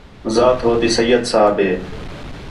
ذات ہوتی سید صاحب ہے